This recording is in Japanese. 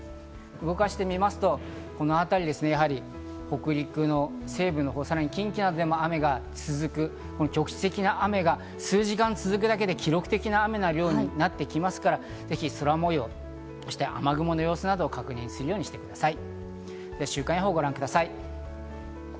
動かしてみますと、このあたり、北陸の西部のほう、さらに近畿などでも雨が続く、局地的な雨が数時間続くだけで記録的な雨の量になってきますから、ぜひ空模様、そして雨雲の様子などを確認するようにしてください。